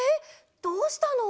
どうしたの？